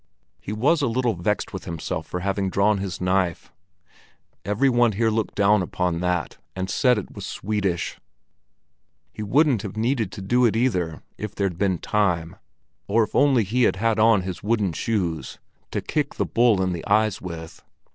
He was a little vexed with himself for having drawn his knife. Every one here looked down upon that, and said it was Swedish. He wouldn't have needed to do it either if there'd been time, or if only he had had on his wooden shoes to kick the bull in the eyes with.